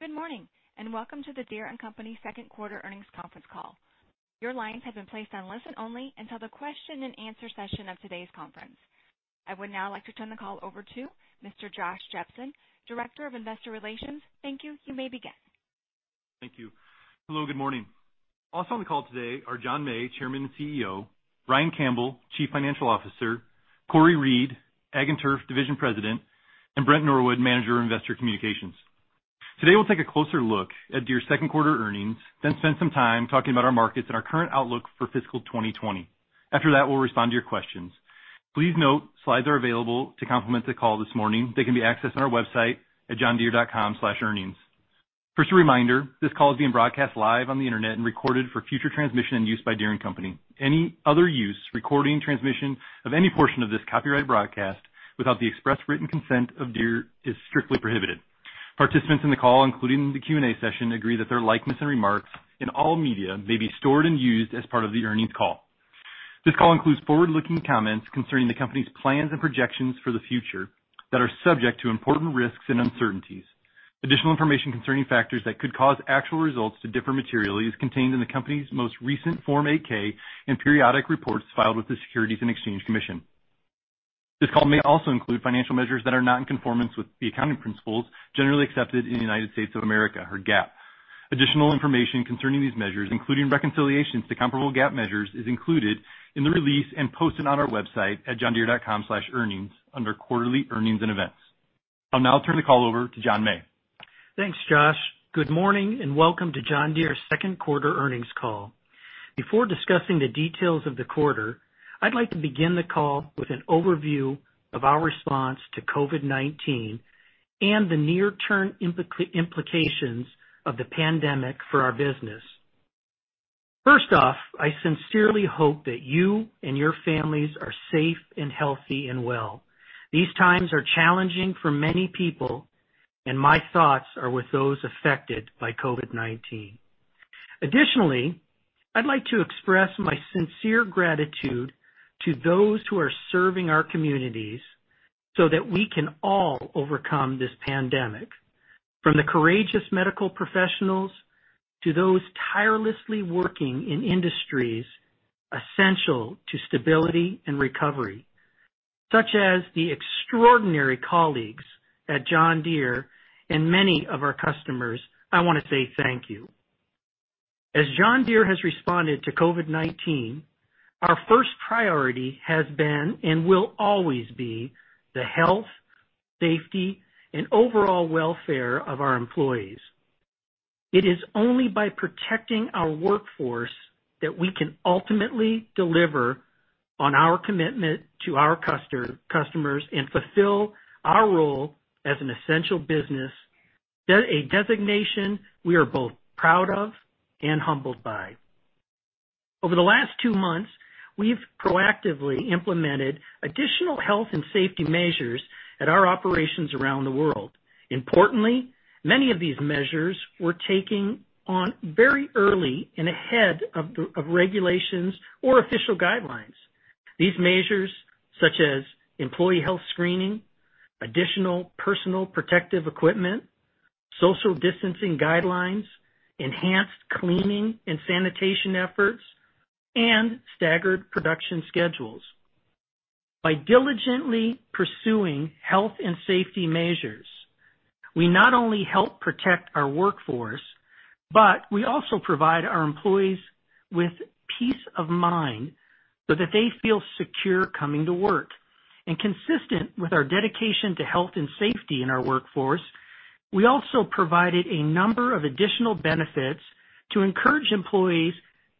Good morning, and welcome to the Deere & Company second quarter earnings conference call. Your lines have been placed on listen only until the question and answer session of today's conference. I would now like to turn the call over to Mr. Josh Jepsen, Director of Investor Relations. Thank you. You may begin. Thank you. Hello, good morning. On the call today are John May, Chairman and CEO, Ryan Campbell, Chief Financial Officer, Cory Reed, Ag and Turf Division President, and Brent Norwood, Manager of Investor Communications. Today, we'll take a closer look at Deere's second quarter earnings, then spend some time talking about our markets and our current outlook for fiscal 2020. After that, we'll respond to your questions. Please note slides are available to complement the call this morning. They can be accessed on our website at johndeere.com/earnings. First, a reminder, this call is being broadcast live on the internet and recorded for future transmission and use by Deere & Company. Any other use, recording, transmission of any portion of this copyrighted broadcast without the express written consent of Deere is strictly prohibited. Participants in the call, including the Q&A session, agree that their likeness and remarks in all media may be stored and used as part of the earnings call. This call includes forward-looking comments concerning the company's plans and projections for the future that are subject to important risks and uncertainties. Additional information concerning factors that could cause actual results to differ materially is contained in the company's most recent Form 8-K and periodic reports filed with the Securities and Exchange Commission. This call may also include financial measures that are not in conformance with the accounting principles generally accepted in the United States of America, or GAAP. Additional information concerning these measures, including reconciliations to comparable GAAP measures, is included in the release and posted on our website at johndeere.com/earnings under Quarterly Earnings and Events. I'll now turn the call over to John May. Thanks, Josh. Good morning and welcome to John Deere's second quarter earnings call. Before discussing the details of the quarter, I'd like to begin the call with an overview of our response to COVID-19 and the near-term implications of the pandemic for our business. First off, I sincerely hope that you and your families are safe and healthy and well. These times are challenging for many people, and my thoughts are with those affected by COVID-19. Additionally, I'd like to express my sincere gratitude to those who are serving our communities so that we can all overcome this pandemic. From the courageous medical professionals to those tirelessly working in industries essential to stability and recovery, such as the extraordinary colleagues at John Deere and many of our customers, I want to say thank you. As John Deere has responded to COVID-19, our first priority has been and will always be the health, safety, and overall welfare of our employees. It is only by protecting our workforce that we can ultimately deliver on our commitment to our customers and fulfill our role as an essential business, a designation we are both proud of and humbled by. Over the last two months, we've proactively implemented additional health and safety measures at our operations around the world. Importantly, many of these measures were taken on very early and ahead of regulations or official guidelines, such as employee health screening, additional personal protective equipment, social distancing guidelines, enhanced cleaning and sanitation efforts, and staggered production schedules. By diligently pursuing health and safety measures, we not only help protect our workforce, but we also provide our employees with peace of mind so that they feel secure coming to work. Consistent with our dedication to health and safety in our workforce, we also provided a number of additional benefits to encourage employees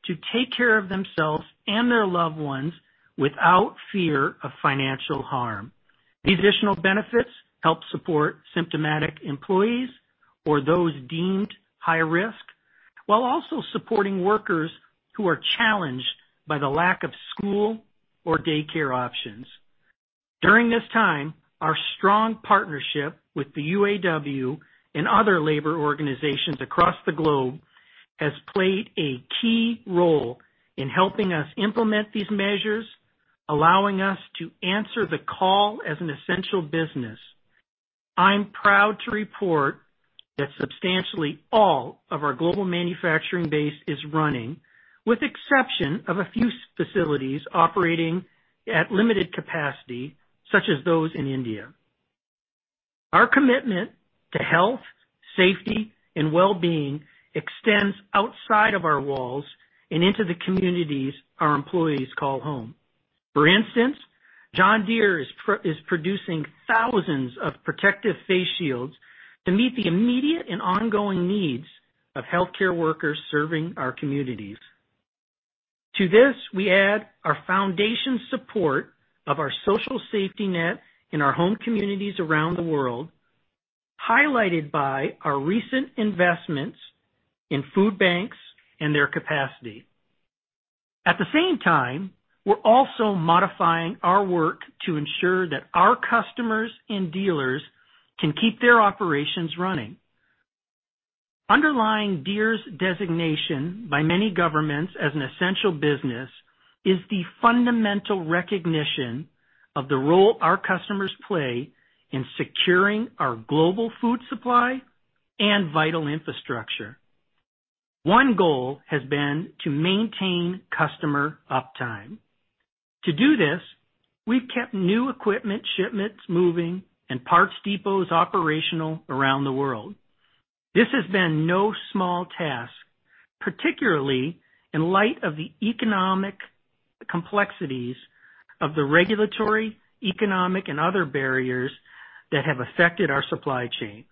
to take care of themselves and their loved ones without fear of financial harm. These additional benefits help support symptomatic employees or those deemed high risk, while also supporting workers who are challenged by the lack of school or daycare options. During this time, our strong partnership with the UAW and other labor organizations across the globe has played a key role in helping us implement these measures, allowing us to answer the call as an essential business. I'm proud to report that substantially all of our global manufacturing base is running, with exception of a few facilities operating at limited capacity, such as those in India. Our commitment to health, safety, and well-being extends outside of our walls and into the communities our employees call home. For instance, John Deere is producing thousands of protective face shields to meet the immediate and ongoing needs of healthcare workers serving our communities. To this, we add our foundation support of our social safety net in our home communities around the world, highlighted by our recent investments in food banks and their capacity. At the same time, we're also modifying our work to ensure that our customers and dealers can keep their operations running. Underlying Deere's designation by many governments as an essential business is the fundamental recognition of the role our customers play in securing our global food supply and vital infrastructure. One goal has been to maintain customer uptime. To do this, we've kept new equipment shipments moving and parts depots operational around the world. This has been no small task, particularly in light of the economic complexities of the regulatory, economic, and other barriers that have affected our supply chain.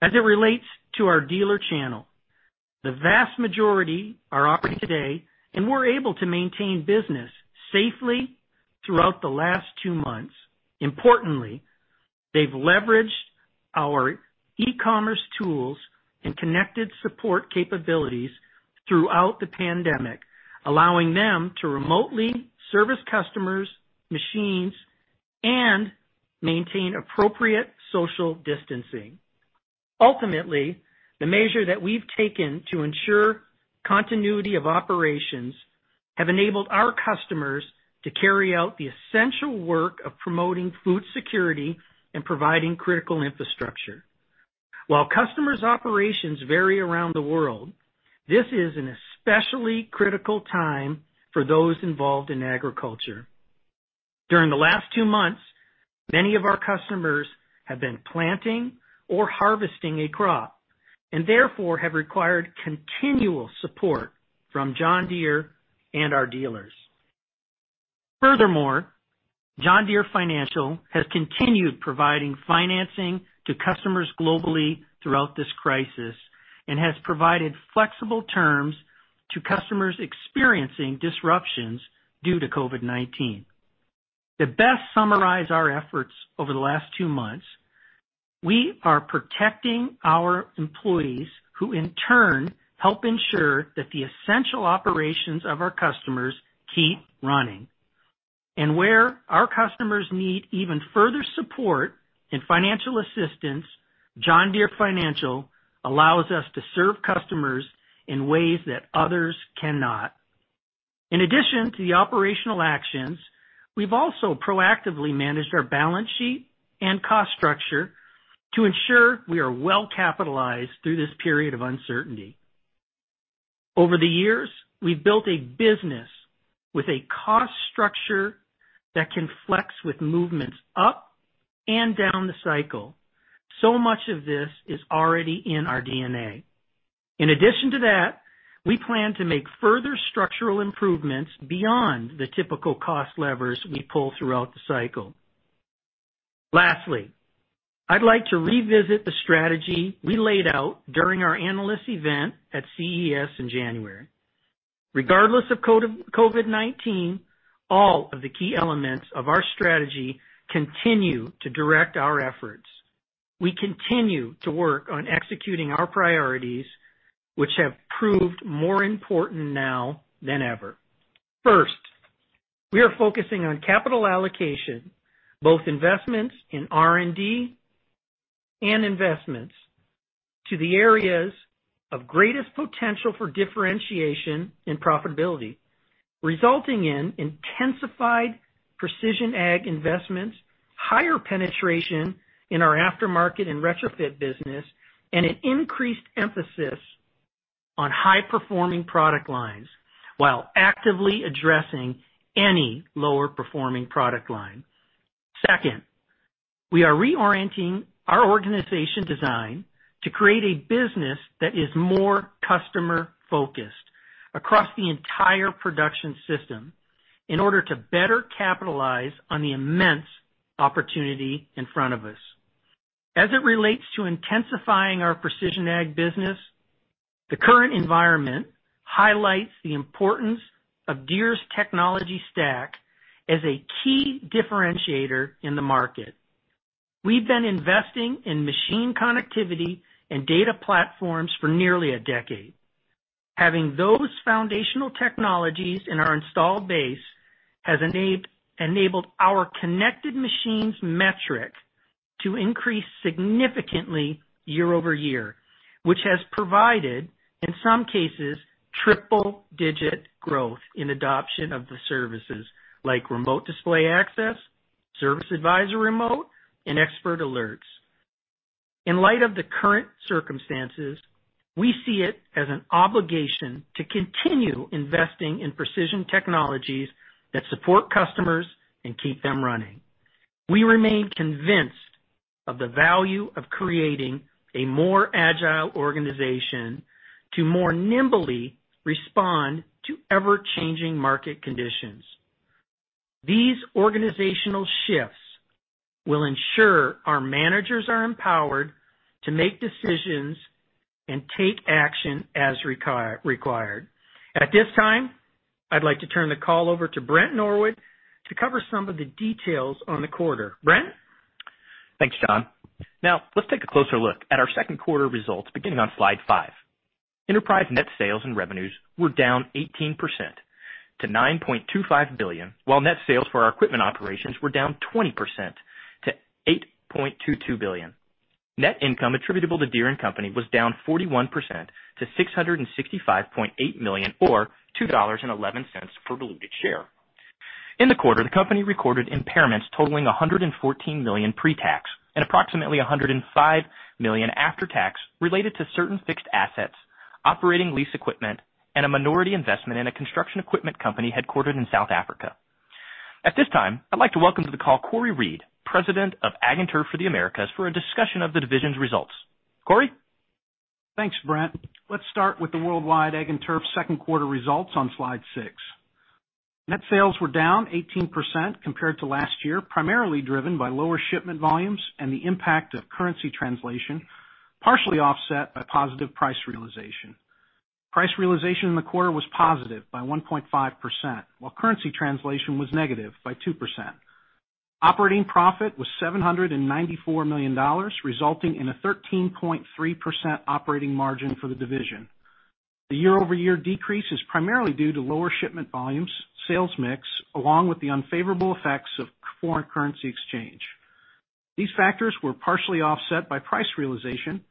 As it relates to our dealer channel, the vast majority are operating today, and were able to maintain business safely throughout the last two months. Importantly, they've leveraged our e-commerce tools and Connected Support capabilities throughout the pandemic, allowing them to remotely service customers' machines and maintain appropriate social distancing. Ultimately, the measure that we've taken to ensure continuity of operations have enabled our customers to carry out the essential work of promoting food security and providing critical infrastructure. While customers' operations vary around the world, this is an especially critical time for those involved in agriculture. During the last two months, many of our customers have been planting or harvesting a crop, and therefore have required continual support from John Deere and our dealers. Furthermore, John Deere Financial has continued providing financing to customers globally throughout this crisis and has provided flexible terms to customers experiencing disruptions due to COVID-19. To best summarize our efforts over the last two months, we are protecting our employees, who in turn help ensure that the essential operations of our customers keep running. Where our customers need even further support and financial assistance, John Deere Financial allows us to serve customers in ways that others cannot. In addition to the operational actions, we've also proactively managed our balance sheet and cost structure to ensure we are well-capitalized through this period of uncertainty. Over the years, we've built a business with a cost structure that can flex with movements up and down the cycle. Much of this is already in our DNA. In addition to that, we plan to make further structural improvements beyond the typical cost levers we pull throughout the cycle. Lastly, I'd like to revisit the strategy we laid out during our analyst event at CES in January. Regardless of COVID-19, all of the key elements of our strategy continue to direct our efforts. We continue to work on executing our priorities, which have proved more important now than ever. First, we are focusing on capital allocation, both investments in R&D and investments to the areas of greatest potential for differentiation and profitability, resulting in intensified precision ag investments, higher penetration in our aftermarket and retrofit business, and an increased emphasis on high-performing product lines, while actively addressing any lower performing product line. Second, we are reorienting our organization design to create a business that is more customer-focused across the entire production system in order to better capitalize on the immense opportunity in front of us. As it relates to intensifying our precision ag business, the current environment highlights the importance of Deere's technology stack as a key differentiator in the market. We've been investing in machine connectivity and data platforms for nearly a decade. Having those foundational technologies in our installed base has enabled our connected machines metric to increase significantly year-over-year, which has provided, in some cases, triple-digit growth in adoption of the services, like Remote Display Access, Service ADVISOR Remote, and Expert Alerts. In light of the current circumstances, we see it as an obligation to continue investing in precision technologies that support customers and keep them running. We remain convinced of the value of creating a more agile organization to more nimbly respond to ever-changing market conditions. These organizational shifts will ensure our managers are empowered to make decisions and take action as required. At this time, I'd like to turn the call over to Brent Norwood to cover some of the details on the quarter. Brent? Thanks, John. Now, let's take a closer look at our second quarter results, beginning on slide five. Enterprise net sales and revenues were down 18% to $9.25 billion, while net sales for our equipment operations were down 20% to $8.22 billion. Net income attributable to Deere & Company was down 41% to $665.8 million, or $2.11 per diluted share. In the quarter, the company recorded impairments totaling $114 million pre-tax and approximately $105 million after tax related to certain fixed assets, operating lease equipment, and a minority investment in a construction equipment company headquartered in South Africa. At this time, I'd like to welcome to the call Cory Reed, President of Ag and Turf for the Americas, for a discussion of the division's results. Cory? Thanks, Brent. Let's start with the worldwide Ag and Turf second quarter results on slide six. Net sales were down 18% compared to last year, primarily driven by lower shipment volumes and the impact of currency translation, partially offset by positive price realization. Price realization in the quarter was positive by 1.5%, while currency translation was negative by 2%. Operating profit was $794 million, resulting in a 13.3% operating margin for the division. The year-over-year decrease is primarily due to lower shipment volumes, sales mix, along with the unfavorable effects of foreign currency exchange. These factors were partially offset by price realization,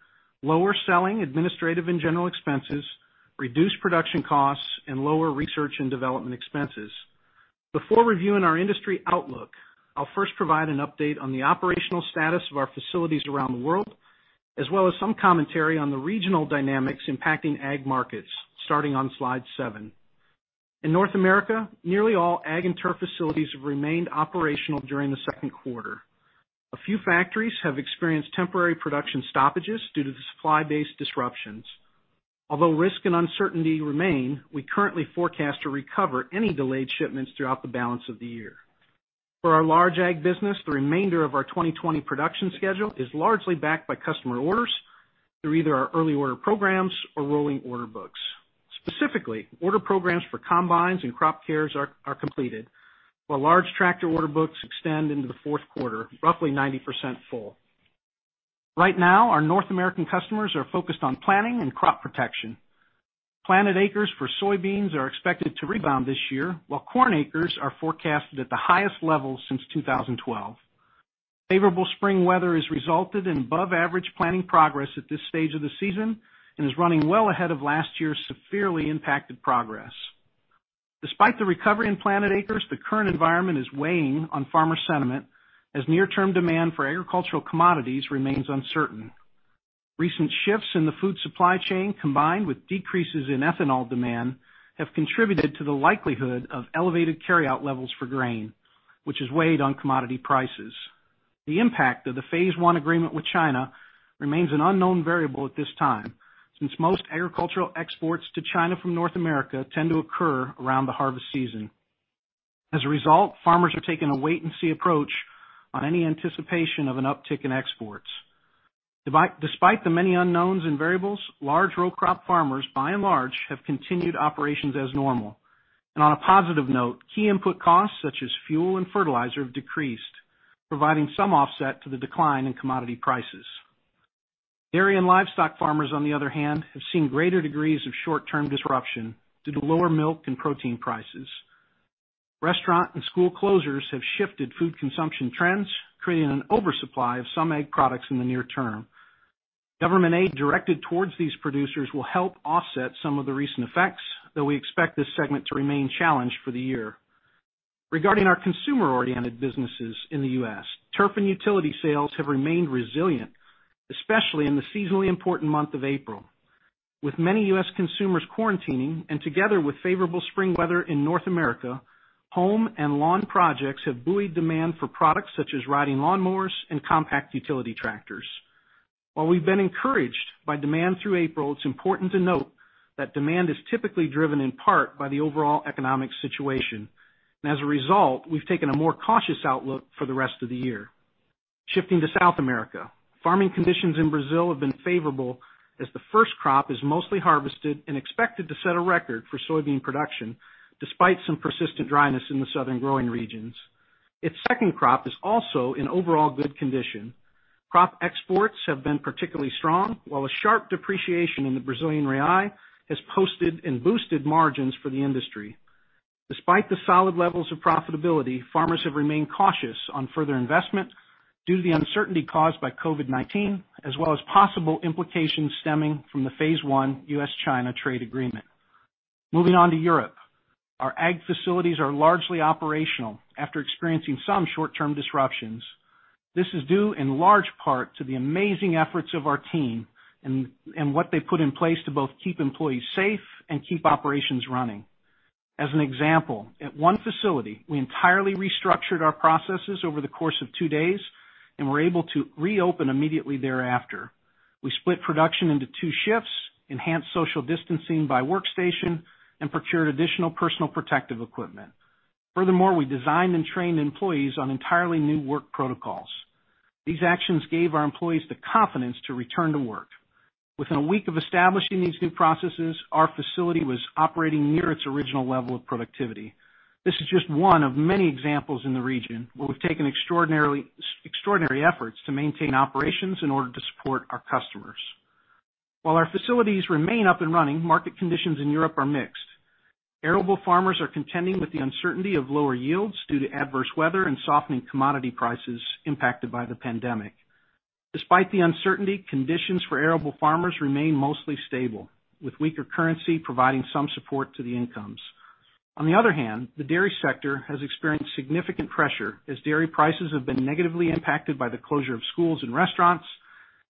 lower selling administrative and general expenses, reduced production costs, and lower research and development expenses. Before reviewing our industry outlook, I'll first provide an update on the operational status of our facilities around the world, as well as some commentary on the regional dynamics impacting Ag markets, starting on slide seven. In North America, nearly all Ag and Turf facilities have remained operational during the second quarter. A few factories have experienced temporary production stoppages due to the supply-based disruptions. Although risk and uncertainty remain, we currently forecast to recover any delayed shipments throughout the balance of the year. For our large Ag business, the remainder of our 2020 production schedule is largely backed by customer orders through either our early order programs or rolling order books. Specifically, order programs for combines and crop care are completed, while large tractor order books extend into the fourth quarter, roughly 90% full. Right now, our North American customers are focused on planning and crop protection. Planted acres for soybeans are expected to rebound this year, while corn acres are forecasted at the highest level since 2012. Favorable spring weather has resulted in above average planning progress at this stage of the season and is running well ahead of last year's severely impacted progress. Despite the recovery in planted acres, the current environment is weighing on farmer sentiment, as near-term demand for agricultural commodities remains uncertain. Recent shifts in the food supply chain, combined with decreases in ethanol demand, have contributed to the likelihood of elevated carry-out levels for grain, which has weighed on commodity prices. The impact of the phase one agreement with China remains an unknown variable at this time, since most agricultural exports to China from North America tend to occur around the harvest season. As a result, farmers are taking a wait and see approach on any anticipation of an uptick in exports. Despite the many unknowns and variables, large row crop farmers, by and large, have continued operations as normal. On a positive note, key input costs such as fuel and fertilizer have decreased, providing some offset to the decline in commodity prices. Dairy and livestock farmers, on the other hand, have seen greater degrees of short-term disruption due to lower milk and protein prices. Restaurant and school closures have shifted food consumption trends, creating an oversupply of some egg products in the near term. Government aid directed towards these producers will help offset some of the recent effects, though we expect this segment to remain challenged for the year. Regarding our consumer-oriented businesses in the U.S., turf and utility sales have remained resilient, especially in the seasonally important month of April. With many U.S. consumers quarantining, and together with favorable spring weather in North America, home and lawn projects have buoyed demand for products such as riding lawn mowers and compact utility tractors. While we've been encouraged by demand through April, it's important to note that demand is typically driven in part by the overall economic situation. As a result, we've taken a more cautious outlook for the rest of the year. Shifting to South America, farming conditions in Brazil have been favorable as the first crop is mostly harvested and expected to set a record for soybean production, despite some persistent dryness in the southern growing regions. Its second crop is also in overall good condition. Crop exports have been particularly strong, while a sharp depreciation in the Brazilian real has posted and boosted margins for the industry. Despite the solid levels of profitability, farmers have remained cautious on further investment due to the uncertainty caused by COVID-19, as well as possible implications stemming from the phase I US-China trade agreement. Moving on to Europe. Our Ag facilities are largely operational after experiencing some short-term disruptions. This is due in large part to the amazing efforts of our team and what they put in place to both keep employees safe and keep operations running. As an example, at one facility, we entirely restructured our processes over the course of two days and were able to reopen immediately thereafter. We split production into two shifts, enhanced social distancing by workstation, and procured additional personal protective equipment. Furthermore, we designed and trained employees on entirely new work protocols. These actions gave our employees the confidence to return to work. Within a week of establishing these new processes, our facility was operating near its original level of productivity. This is just one of many examples in the region where we've taken extraordinary efforts to maintain operations in order to support our customers. While our facilities remain up and running, market conditions in Europe are mixed. Arable farmers are contending with the uncertainty of lower yields due to adverse weather and softening commodity prices impacted by the pandemic. Despite the uncertainty, conditions for arable farmers remain mostly stable, with weaker currency providing some support to the incomes. On the other hand, the dairy sector has experienced significant pressure as dairy prices have been negatively impacted by the closure of schools and restaurants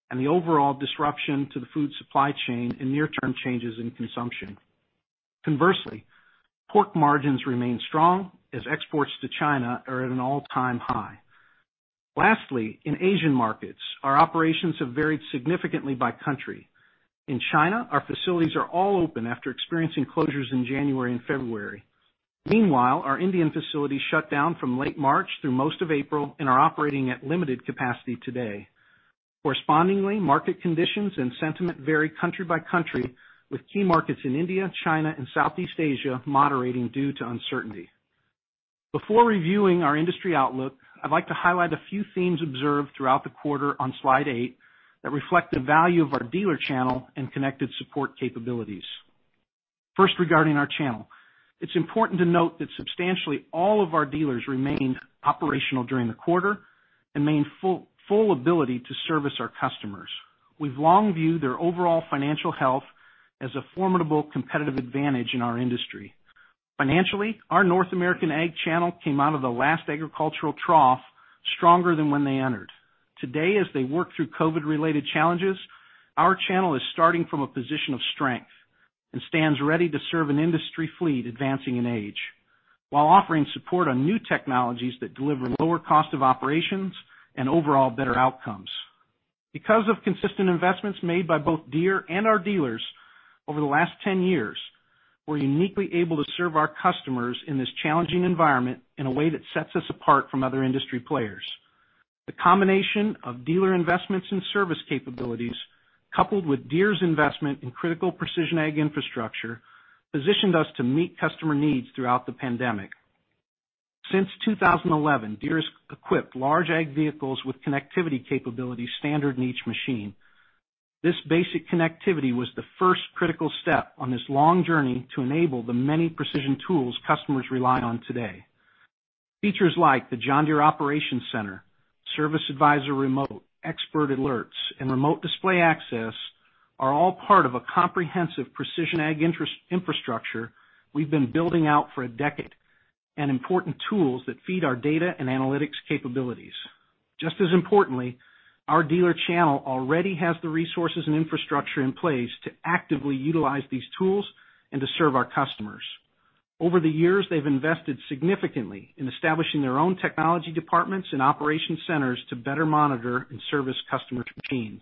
and the overall disruption to the food supply chain and near-term changes in consumption. Conversely, pork margins remain strong as exports to China are at an all-time high. Lastly, in Asian markets, our operations have varied significantly by country. In China, our facilities are all open after experiencing closures in January and February. Meanwhile, our Indian facilities shut down from late March through most of April and are operating at limited capacity today. Correspondingly, market conditions and sentiment vary country by country, with key markets in India, China, and Southeast Asia moderating due to uncertainty. Before reviewing our industry outlook, I'd like to highlight a few themes observed throughout the quarter on slide eight that reflect the value of our dealer channel and Connected Support capabilities. Regarding our channel, it's important to note that substantially all of our dealers remained operational during the quarter and maintained full ability to service our customers. We've long viewed their overall financial health as a formidable competitive advantage in our industry. Financially, our North American ag channel came out of the last agricultural trough stronger than when they entered. Today, as they work through COVID-related challenges, our channel is starting from a position of strength and stands ready to serve an industry fleet advancing in age while offering support on new technologies that deliver lower cost of operations and overall better outcomes. Because of consistent investments made by both Deere and our dealers over the last 10 years, we're uniquely able to serve our customers in this challenging environment in a way that sets us apart from other industry players. The combination of dealer investments and service capabilities, coupled with Deere's investment in critical precision ag infrastructure, positioned us to meet customer needs throughout the pandemic. Since 2011, Deere has equipped large ag vehicles with connectivity capabilities standard in each machine. This basic connectivity was the first critical step on this long journey to enable the many precision tools customers rely on today. Features like the John Deere Operations Center, Service ADVISOR Remote, Expert Alerts, and Remote Display Access are all part of a comprehensive precision ag infrastructure we've been building out for a decade, and important tools that feed our data and analytics capabilities. Just as importantly, our dealer channel already has the resources and infrastructure in place to actively utilize these tools and to serve our customers. Over the years, they've invested significantly in establishing their own technology departments and operation centers to better monitor and service customer machines.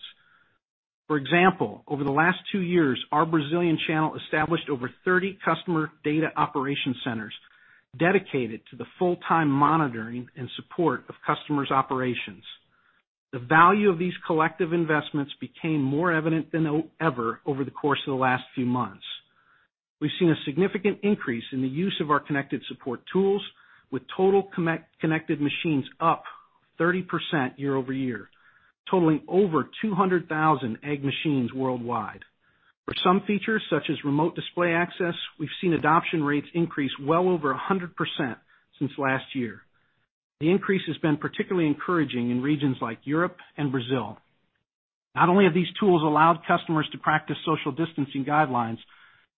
For example, over the last two years, our Brazilian channel established over 30 customer data operation centers dedicated to the full-time monitoring and support of customers' operations. The value of these collective investments became more evident than ever over the course of the last few months. We've seen a significant increase in the use of our Connected Support tools, with total connected machines up 30% year-over-year, totaling over 200,000 ag machines worldwide. For some features, such as Remote Display Access, we've seen adoption rates increase well over 100% since last year. The increase has been particularly encouraging in regions like Europe and Brazil. Not only have these tools allowed customers to practice social distancing guidelines,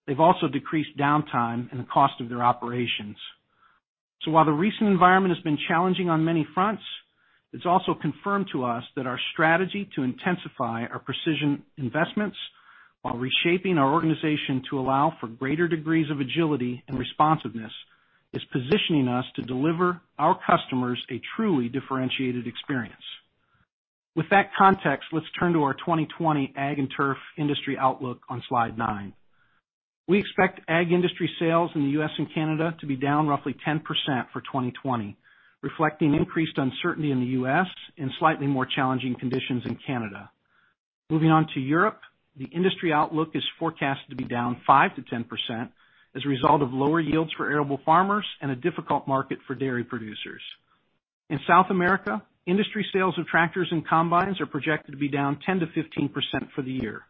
they've also decreased downtime and the cost of their operations. While the recent environment has been challenging on many fronts, it's also confirmed to us that our strategy to intensify our precision investments while reshaping our organization to allow for greater degrees of agility and responsiveness is positioning us to deliver our customers a truly differentiated experience. With that context, let's turn to our 2020 Ag and Turf industry outlook on slide nine. We expect ag industry sales in the U.S. and Canada to be down roughly 10% for 2020, reflecting increased uncertainty in the U.S. and slightly more challenging conditions in Canada. Moving on to Europe, the industry outlook is forecast to be down 5%-10% as a result of lower yields for arable farmers and a difficult market for dairy producers. In South America, industry sales of tractors and combines are projected to be down 10%-15% for the year.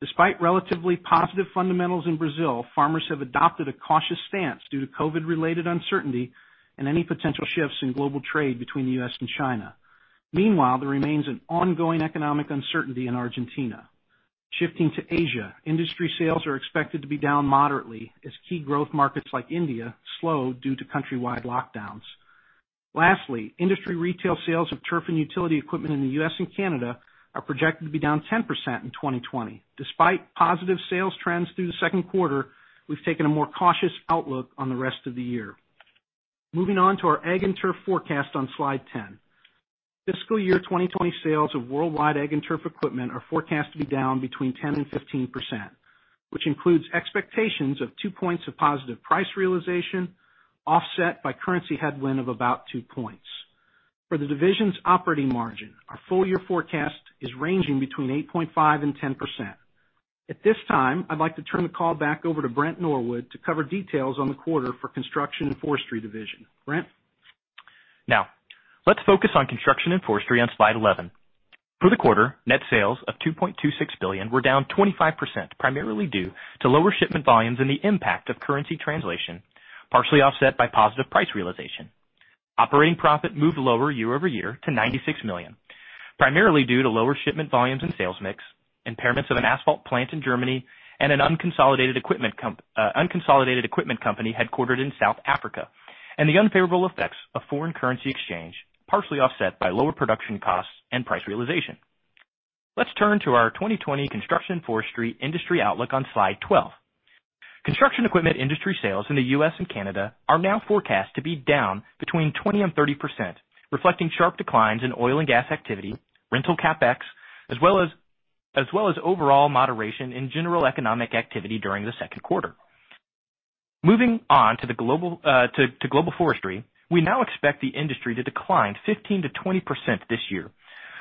Despite relatively positive fundamentals in Brazil, farmers have adopted a cautious stance due to COVID-related uncertainty and any potential shifts in global trade between the U.S. and China. Meanwhile, there remains an ongoing economic uncertainty in Argentina. Shifting to Asia, industry sales are expected to be down moderately as key growth markets like India slow due to country-wide lockdowns. Lastly, industry retail sales of turf and utility equipment in the U.S. and Canada are projected to be down 10% in 2020. Despite positive sales trends through the second quarter, we've taken a more cautious outlook on the rest of the year. Moving on to our Ag and Turf forecast on slide 10. Fiscal year 2020 sales of worldwide Ag and Turf equipment are forecast to be down between 10% and 15%, which includes expectations of two points of positive price realization offset by currency headwind of about two points. For the division's operating margin, our full-year forecast is ranging between 8.5% and 10%. At this time, I'd like to turn the call back over to Brent Norwood to cover details on the quarter for Construction & Forestry Division. Brent? Let's focus on construction and forestry on slide 11. For the quarter, net sales of $2.26 billion were down 25%, primarily due to lower shipment volumes and the impact of currency translation, partially offset by positive price realization. Operating profit moved lower year-over-year to $96 million, primarily due to lower shipment volumes and sales mix, impairments of an asphalt plant in Germany, and an unconsolidated equipment company headquartered in South Africa, and the unfavorable effects of foreign currency exchange, partially offset by lower production costs and price realization. Let's turn to our 2020 construction forestry industry outlook on slide 12. Construction equipment industry sales in the U.S. and Canada are now forecast to be down between 20% and 30%, reflecting sharp declines in oil and gas activity, rental CapEx, as well as overall moderation in general economic activity during the second quarter. Moving on to global forestry. We now expect the industry to decline 15%-20% this year,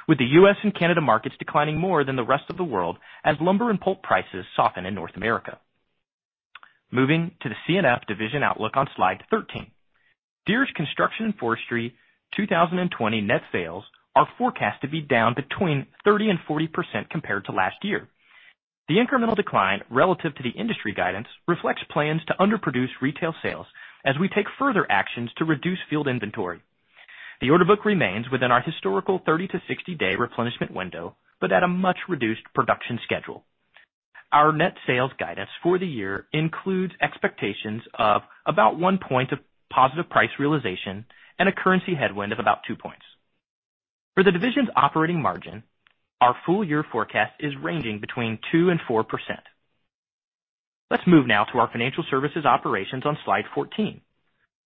with the U.S. and Canada markets declining more than the rest of the world as lumber and pulp prices soften in North America. Moving to the C&F division outlook on slide 13. Deere's Construction and Forestry 2020 net sales are forecast to be down between 30%-40% compared to last year. The incremental decline relative to the industry guidance reflects plans to underproduce retail sales as we take further actions to reduce field inventory. The order book remains within our historical 30-60 day replenishment window, at a much reduced production schedule. Our net sales guidance for the year includes expectations of about 1 point of positive price realization and a currency headwind of about two points. For the division's operating margin, our full year forecast is ranging between 2%-4%. Let's move now to our Financial Services operations on slide 14.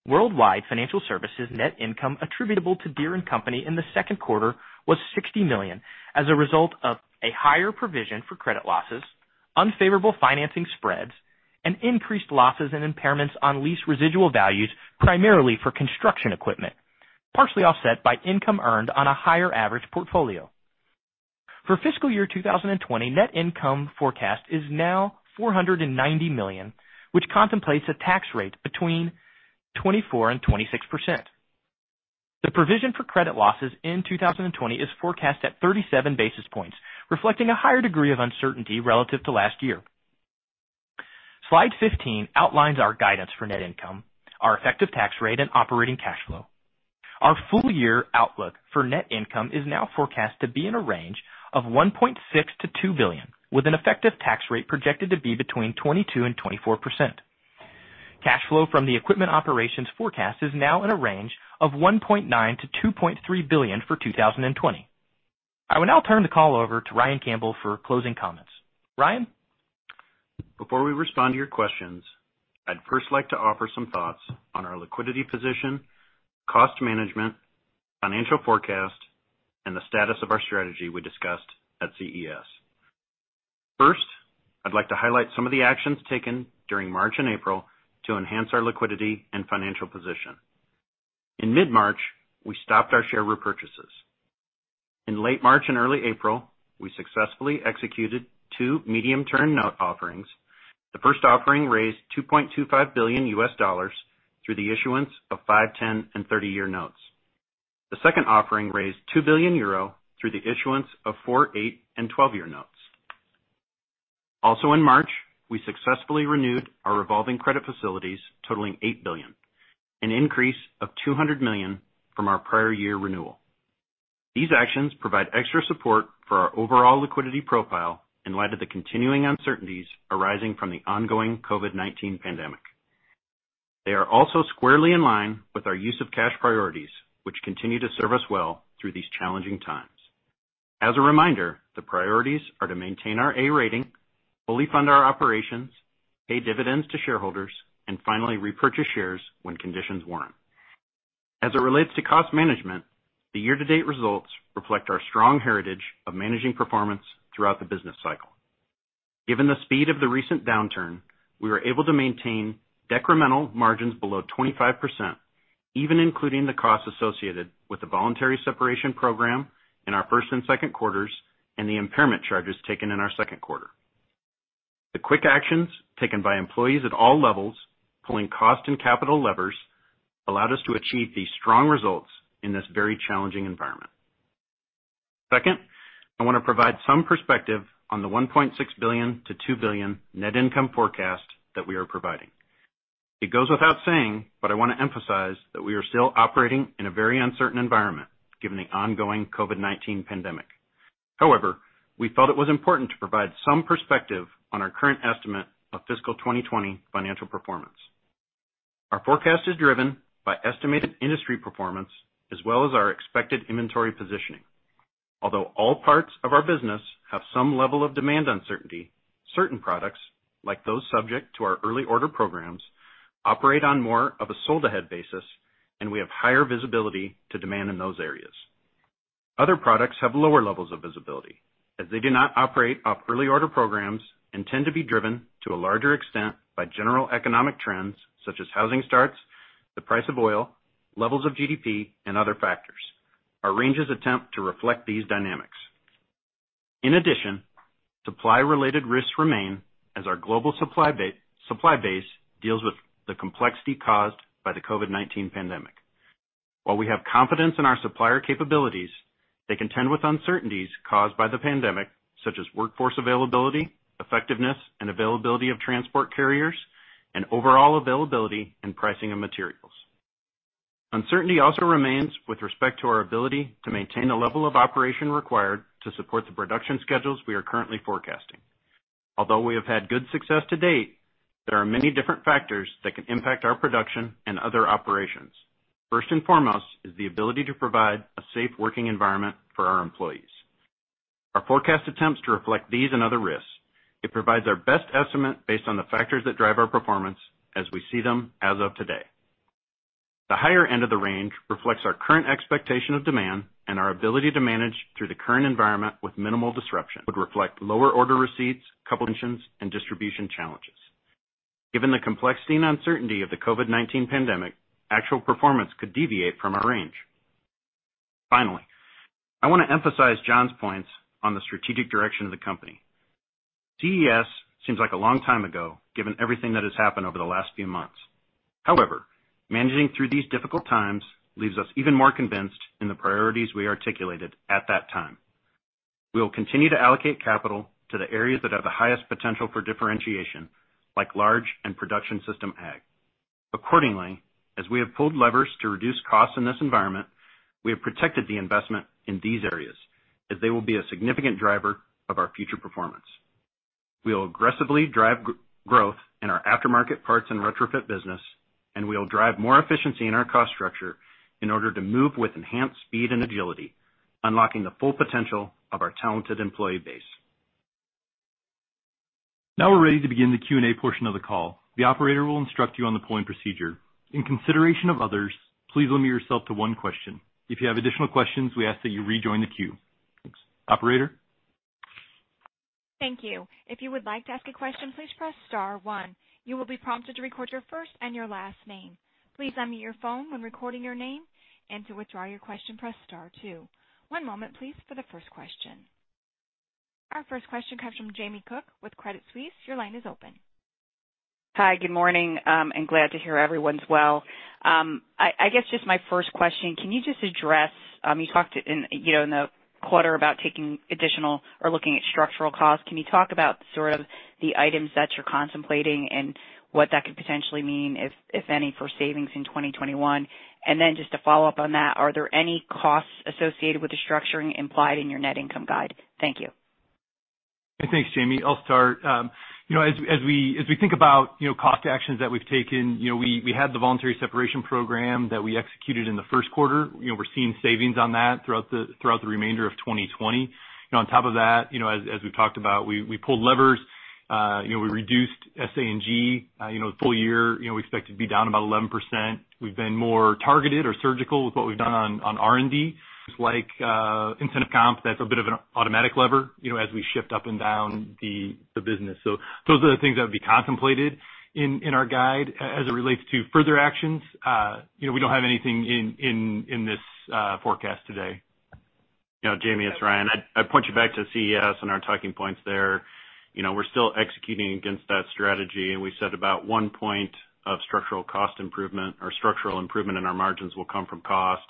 Worldwide Financial Services net income attributable to Deere & Company in the second quarter was $60 million as a result of a higher provision for credit losses, unfavorable financing spreads, and increased losses and impairments on lease residual values primarily for construction equipment, partially offset by income earned on a higher average portfolio. For fiscal year 2020, net income forecast is now $490 million, which contemplates a tax rate between 24% and 26%. The provision for credit losses in 2020 is forecast at 37 basis points, reflecting a higher degree of uncertainty relative to last year. Slide 15 outlines our guidance for net income, our effective tax rate and operating cash flow. Our full year outlook for net income is now forecast to be in a range of $1.6 billion-$2 billion, with an effective tax rate projected to be between 22% and 24%. Cash flow from the equipment operations forecast is now in a range of $1.9 billion-$2.3 billion for 2020. I will now turn the call over to Ryan Campbell for closing comments. Ryan? Before we respond to your questions, I'd first like to offer some thoughts on our liquidity position, cost management, financial forecast, and the status of our strategy we discussed at CES. First, I'd like to highlight some of the actions taken during March and April to enhance our liquidity and financial position. In mid-March, we stopped our share repurchases. In late March and early April, we successfully executed two medium-term note offerings. The first offering raised $2.25 billion through the issuance of five, 10, and 30-year notes. The second offering raised 2 billion euro through the issuance of four, eight, and 12-year notes. Also in March, we successfully renewed our revolving credit facilities totaling $8 billion, an increase of $200 million from our prior year renewal. These actions provide extra support for our overall liquidity profile in light of the continuing uncertainties arising from the ongoing COVID-19 pandemic. They are also squarely in line with our use of cash priorities, which continue to serve us well through these challenging times. As a reminder, the priorities are to maintain our A rating, fully fund our operations, pay dividends to shareholders, and finally repurchase shares when conditions warrant. As it relates to cost management, the year-to-date results reflect our strong heritage of managing performance throughout the business cycle. Given the speed of the recent downturn, we were able to maintain decremental margins below 25%, even including the costs associated with the voluntary separation program in our first and second quarters and the impairment charges taken in our second quarter. The quick actions taken by employees at all levels, pulling cost and capital levers, allowed us to achieve these strong results in this very challenging environment. I want to provide some perspective on the $1.6 billion-$2 billion net income forecast that we are providing. It goes without saying, but I want to emphasize that we are still operating in a very uncertain environment given the ongoing COVID-19 pandemic. We felt it was important to provide some perspective on our current estimate of fiscal 2020 financial performance. Our forecast is driven by estimated industry performance as well as our expected inventory positioning. All parts of our business have some level of demand uncertainty, certain products, like those subject to our early order programs, operate on more of a sold-ahead basis, and we have higher visibility to demand in those areas. Other products have lower levels of visibility as they do not operate off early order programs and tend to be driven to a larger extent by general economic trends such as housing starts, the price of oil, levels of GDP, and other factors. Our ranges attempt to reflect these dynamics. In addition, supply-related risks remain as our global supply base deals with the complexity caused by the COVID-19 pandemic. While we have confidence in our supplier capabilities, they contend with uncertainties caused by the pandemic, such as workforce availability, effectiveness and availability of transport carriers, and overall availability and pricing of materials. Uncertainty also remains with respect to our ability to maintain the level of operation required to support the production schedules we are currently forecasting. Although we have had good success to date, there are many different factors that can impact our production and other operations. First and foremost is the ability to provide a safe working environment for our employees. Our forecast attempts to reflect these and other risks. It provides our best estimate based on the factors that drive our performance as we see them as of today. The higher end of the range reflects our current expectation of demand and our ability to manage through the current environment with minimal disruption. Would reflect lower order receipts, couple mentions, and distribution challenges. Given the complexity and uncertainty of the COVID-19 pandemic, actual performance could deviate from our range. Finally, I want to emphasize John's points on the strategic direction of the company. CES seems like a long time ago, given everything that has happened over the last few months. However, managing through these difficult times leaves us even more convinced in the priorities we articulated at that time. We will continue to allocate capital to the areas that have the highest potential for differentiation, like large and production system ag. As we have pulled levers to reduce costs in this environment, we have protected the investment in these areas as they will be a significant driver of our future performance. We will aggressively drive growth in our aftermarket parts and retrofit business, and we will drive more efficiency in our cost structure in order to move with enhanced speed and agility, unlocking the full potential of our talented employee base. Now we're ready to begin the Q&A portion of the call. The operator will instruct you on the polling procedure. In consideration of others, please limit yourself to one question. If you have additional questions, we ask that you rejoin the queue. Thanks. Operator? Thank you. If you would like to ask a question, please press star one. You will be prompted to record your first and your last name. Please unmute your phone when recording your name and to withdraw your question, press star two. One moment, please, for the first question. Our first question comes from Jamie Cook with Credit Suisse. Your line is open. Hi. Good morning, glad to hear everyone's well. I guess just my first question, can you just address, you talked in the quarter about taking additional or looking at structural costs. Can you talk about sort of the items that you're contemplating and what that could potentially mean, if any, for savings in 2021? Just to follow up on that, are there any costs associated with the structuring implied in your net income guide? Thank you. Thanks, Jamie. I'll start. As we think about cost actions that we've taken, we had the voluntary separation program that we executed in the first quarter. We're seeing savings on that throughout the remainder of 2020. On top of that, as we've talked about, we pulled levers, we reduced SA&G. The full year, we expect it to be down about 11%. We've been more targeted or surgical with what we've done on R&D. Things like incentive comp, that's a bit of an automatic lever as we shift up and down the business. Those are the things that would be contemplated in our guide. As it relates to further actions, we don't have anything in this forecast today. Jamie, it's Ryan. I'd point you back to CES and our talking points there. We're still executing against that strategy. We said about one point of structural cost improvement or structural improvement in our margins will come from cost.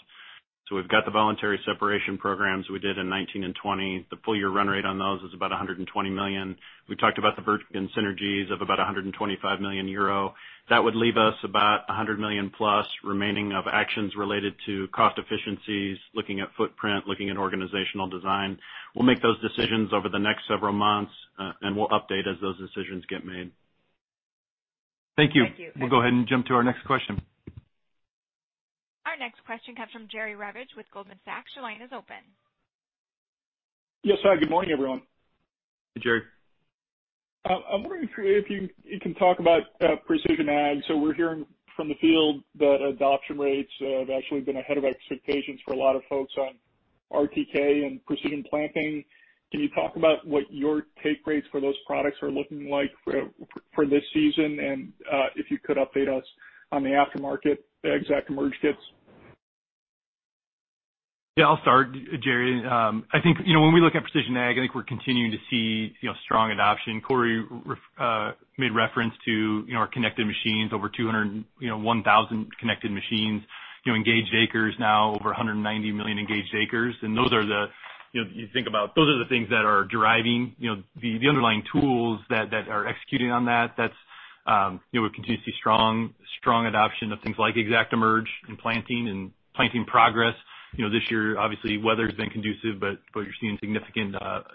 We've got the voluntary separation programs we did in 2019 and 2020. The full-year run rate on those is about $120 million. We talked about the Wirtgen synergies of about 125 million euro. That would leave us about $100 million-plus remaining of actions related to cost efficiencies, looking at footprint, looking at organizational design. We'll make those decisions over the next several months. We'll update as those decisions get made. Thank you. Thank you. We'll go ahead and jump to our next question. Our next question comes from Jerry Revich with Goldman Sachs. Your line is open. Yes. Hi, good morning, everyone. Hey, Jerry. I'm wondering if you can talk about Precision Ag. We're hearing from the field that adoption rates have actually been ahead of expectations for a lot of folks on RTK and precision planting. Can you talk about what your take rates for those products are looking like for this season? If you could update us on the aftermarket ExactEmerge kits. Yeah, I'll start, Jerry. I think when we look at Precision Ag, I think we're continuing to see strong adoption. Cory made reference to our connected machines, over 201,000 connected machines. Engaged acres now over 190 million engaged acres. You think about those are the things that are driving the underlying tools that are executing on that. We continue to see strong adoption of things like ExactEmerge in planting and planting progress. This year, obviously, weather's been conducive, but you're seeing significant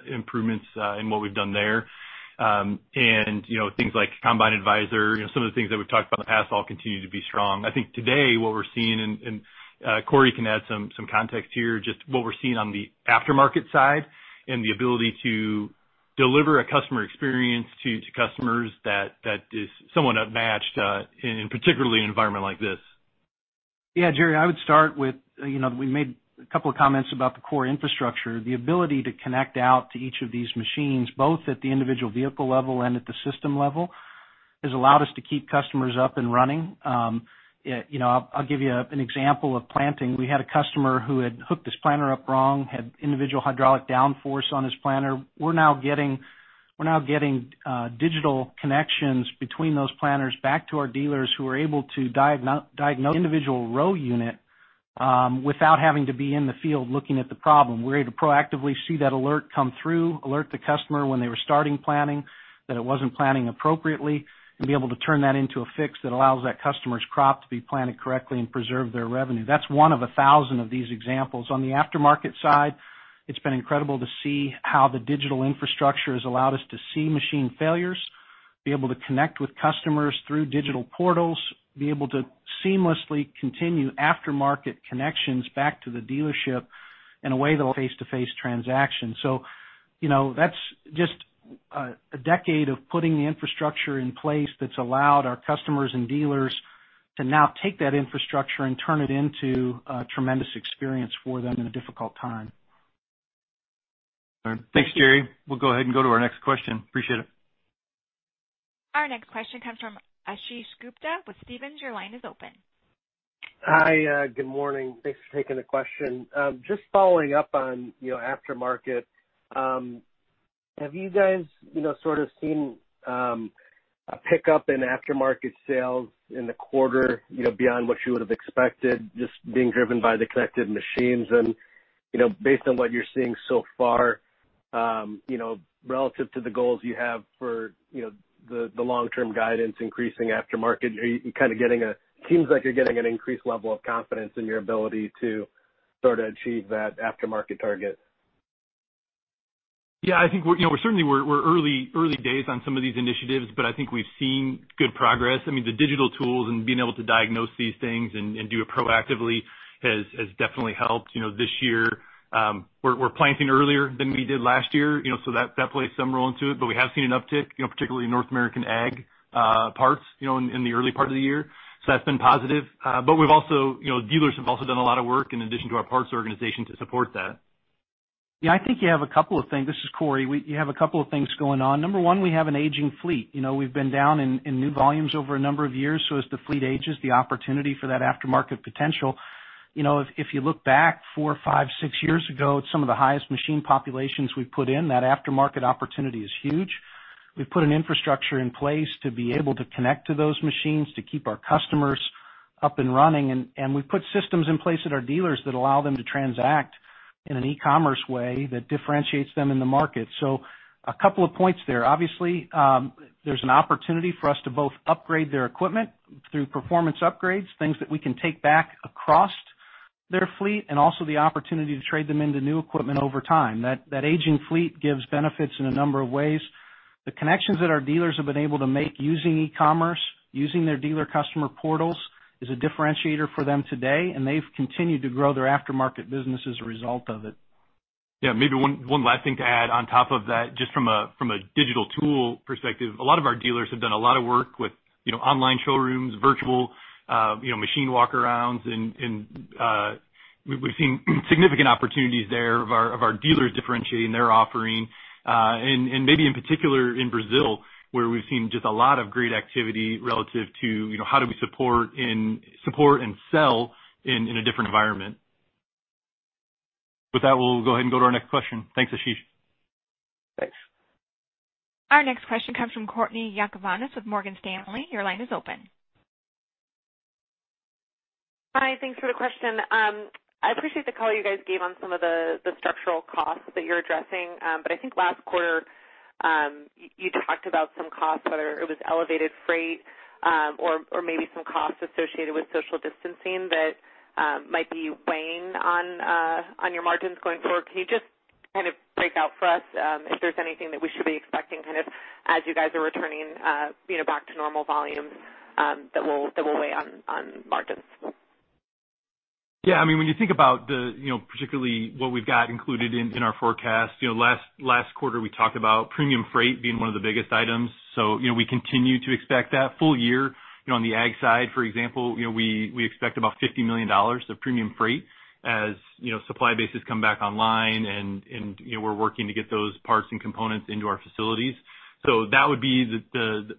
improvements in what we've done there. Things like Combine Advisor, some of the things that we've talked about in the past all continue to be strong. I think today what we're seeing, and Cory can add some context here, just what we're seeing on the aftermarket side and the ability to deliver a customer experience to customers that is somewhat unmatched, in particular in an environment like this. Yeah, Jerry, I would start with, we made a couple of comments about the core infrastructure. The ability to connect out to each of these machines, both at the individual vehicle level and at the system level has allowed us to keep customers up and running. I'll give you an example of planting. We had a customer who had hooked his planter up wrong, had individual hydraulic downforce on his planter. We're now getting digital connections between those planters back to our dealers who are able to diagnose individual row unit without having to be in the field looking at the problem. We're able to proactively see that alert come through, alert the customer when they were starting planting, that it wasn't planting appropriately, and be able to turn that into a fix that allows that customer's crop to be planted correctly and preserve their revenue. That's one of 1,000 of these examples. On the aftermarket side, it's been incredible to see how the digital infrastructure has allowed us to see machine failures, be able to connect with customers through digital portals, be able to seamlessly continue aftermarket connections back to the dealership in a way that will face-to-face transaction. That's just a decade of putting the infrastructure in place that's allowed our customers and dealers to now take that infrastructure and turn it into a tremendous experience for them in a difficult time. All right. Thanks, Jerry. We'll go ahead and go to our next question. Appreciate it. Our next question comes from Ashish Gupta with Stephens. Your line is open. Hi, good morning. Thanks for taking the question. Just following up on aftermarket. Have you guys sort of seen a pickup in aftermarket sales in the quarter beyond what you would've expected, just being driven by the connected machines and based on what you're seeing so far relative to the goals you have for the long-term guidance increasing aftermarket? It seems like you're getting an increased level of confidence in your ability to sort of achieve that aftermarket target. I think certainly we're early days on some of these initiatives. I think we've seen good progress. The digital tools and being able to diagnose these things and do it proactively has definitely helped. This year, we're planting earlier than we did last year. That plays some role into it. We have seen an uptick, particularly in North American ag parts in the early part of the year. That's been positive. Dealers have also done a lot of work in addition to our parts organization to support that. Yeah, I think you have a couple of things. This is Cory. We have a couple of things going on. Number one, we have an aging fleet. We've been down in new volumes over a number of years. As the fleet ages, the opportunity for that aftermarket potential. If you look back four, five, six years ago at some of the highest machine populations we put in, that aftermarket opportunity is huge. We've put an infrastructure in place to be able to connect to those machines to keep our customers up and running, and we've put systems in place at our dealers that allow them to transact in an e-commerce way that differentiates them in the market. A couple of points there. Obviously, there's an opportunity for us to both upgrade their equipment through performance upgrades, things that we can take back across their fleet, and also the opportunity to trade them into new equipment over time. That aging fleet gives benefits in a number of ways. The connections that our dealers have been able to make using e-commerce, using their dealer customer portals is a differentiator for them today, and they've continued to grow their aftermarket business as a result of it. Yeah, maybe one last thing to add on top of that, just from a digital tool perspective. A lot of our dealers have done a lot of work with online showrooms, virtual machine walk-arounds, and we've seen significant opportunities there of our dealers differentiating their offering. Maybe in particular in Brazil, where we've seen just a lot of great activity relative to how do we support and sell in a different environment. With that, we'll go ahead and go to our next question. Thanks, Ashish. Thanks. Our next question comes from Courtney Yakavonis with Morgan Stanley. Your line is open. Hi, thanks for the question. I appreciate the color you guys gave on some of the structural costs that you're addressing. I think last quarter, you talked about some costs, whether it was elevated freight or maybe some costs associated with social distancing that might be weighing on your margins going forward. Can you just kind of break out for us if there's anything that we should be expecting kind of as you guys are returning back to normal volumes that will weigh on margins? Yeah, when you think about particularly what we've got included in our forecast, last quarter we talked about premium freight being one of the biggest items. We continue to expect that full year. On the ag side, for example, we expect about $50 million of premium freight as supply bases come back online, and we're working to get those parts and components into our facilities. That would be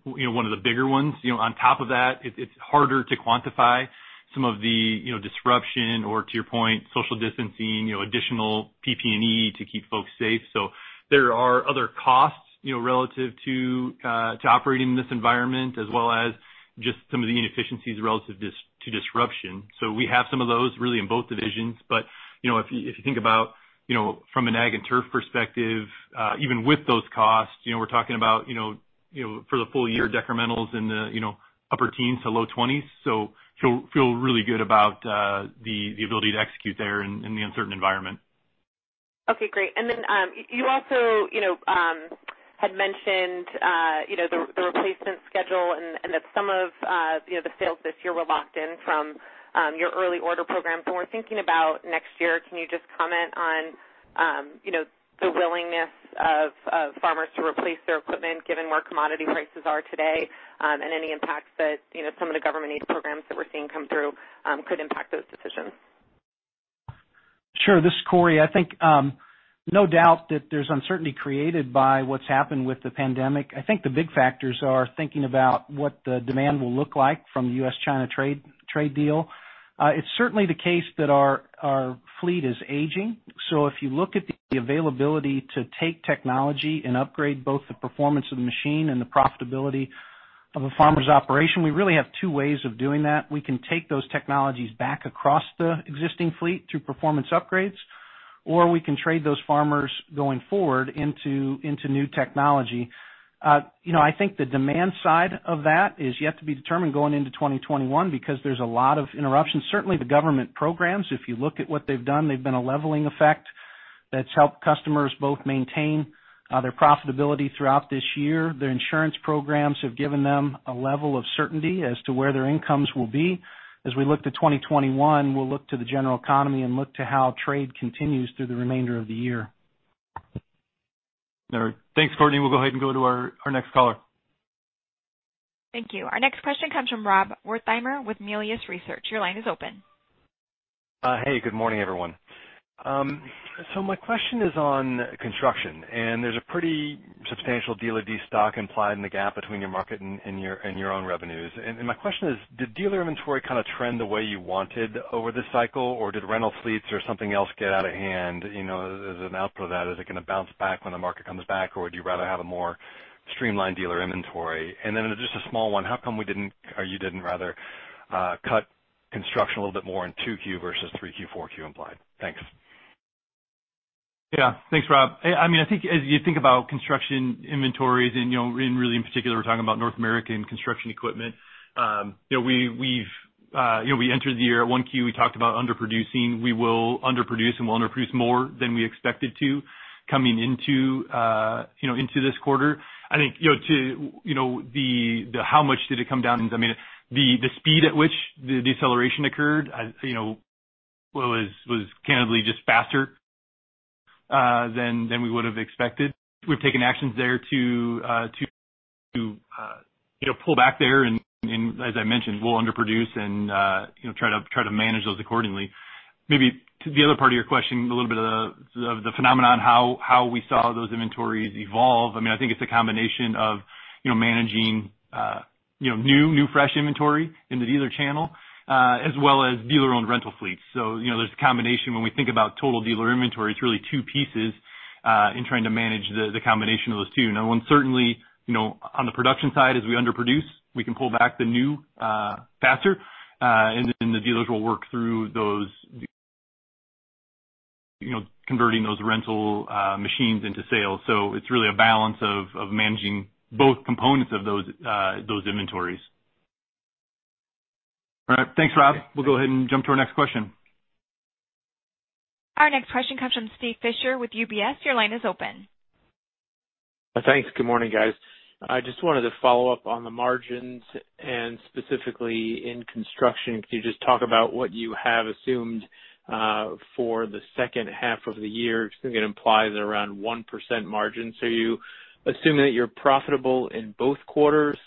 one of the bigger ones. On top of that, it's harder to quantify some of the disruption or to your point, social distancing, additional PPE to keep folks safe. There are other costs relative to operating in this environment as well as just some of the inefficiencies relative to disruption. We have some of those really in both divisions. If you think about from an ag and turf perspective, even with those costs, we're talking about for the full year decrementals in the upper teens to low 20s. Feel really good about the ability to execute there in the uncertain environment. Okay, great. Then, you also had mentioned the replacement schedule and that some of the sales this year were locked in from your early order programs. When we're thinking about next year, can you just comment on the willingness of farmers to replace their equipment given where commodity prices are today, and any impacts that some of the government aid programs that we're seeing come through could impact those decisions? Sure. This is Cory. I think no doubt that there's uncertainty created by what's happened with the pandemic. I think the big factors are thinking about what the demand will look like from the U.S.-China trade deal. It's certainly the case that our fleet is aging. If you look at the availability to take technology and upgrade both the performance of the machine and the profitability of a farmer's operation, we really have two ways of doing that. We can take those technologies back across the existing fleet through performance upgrades, or we can trade those farmers going forward into new technology. I think the demand side of that is yet to be determined going into 2021 because there's a lot of interruptions. Certainly, the government programs, if you look at what they've done, they've been a leveling effect that's helped customers both maintain their profitability throughout this year. Their insurance programs have given them a level of certainty as to where their incomes will be. As we look to 2021, we will look to the general economy and look to how trade continues through the remainder of the year. All right. Thanks, Cory. We'll go ahead and go to our next caller. Thank you. Our next question comes from Rob Wertheimer with Melius Research. Your line is open. Good morning, everyone. My question is on construction, and there's a pretty substantial dealer destock implied in the gap between your market and your own revenues. My question is, did dealer inventory kind of trend the way you wanted over this cycle, or did rental fleets or something else get out of hand as an outflow of that? Is it going to bounce back when the market comes back, or would you rather have a more streamlined dealer inventory? Just a small one, how come we didn't, or you didn't rather, cut construction a little bit more in 2Q versus 3Q, 4Q implied? Thanks. Thanks, Rob. I think as you think about construction inventories and really in particular we're talking about North American construction equipment. We entered the year at Q1, we talked about underproducing. We will underproduce and we'll underproduce more than we expected to coming into this quarter. I think to the how much did it come down, the speed at which the deceleration occurred was candidly just faster than we would've expected. We've taken actions there to pull back there and, as I mentioned, we'll underproduce and try to manage those accordingly. Maybe to the other part of your question, a little bit of the phenomenon, how we saw those inventories evolve. I think it's a combination of managing new, fresh inventory into dealer channel, as well as dealer-owned rental fleets. There's a combination when we think about total dealer inventory, it's really two pieces in trying to manage the combination of those two. Certainly, on the production side, as we underproduce, we can pull back the new faster, and then the dealers will work through those converting those rental machines into sales. It's really a balance of managing both components of those inventories. All right. Thanks, Rob. We'll go ahead and jump to our next question. Our next question comes from Steve Fisher with UBS. Your line is open. Thanks. Good morning, guys. I just wanted to follow up on the margins and specifically in construction. Could you just talk about what you have assumed for the second half of the year? I think it implies around 1% margin. Are you assuming that you're profitable in both quarters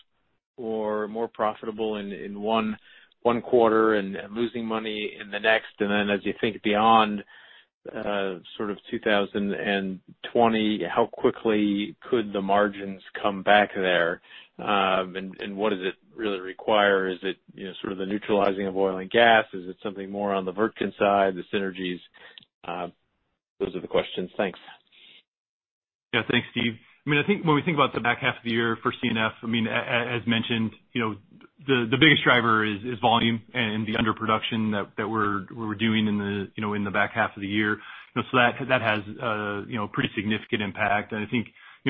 or more profitable in one quarter and losing money in the next? As you think beyond sort of 2020, how quickly could the margins come back there? What does it really require? Is it sort of the neutralizing of oil and gas? Is it something more on the Wirtgen side, the synergies? Those are the questions. Thanks. Thanks, Steve. When we think about the back half of the year for CF, as mentioned, the biggest driver is volume and the underproduction that we're doing in the back half of the year. That has a pretty significant impact. When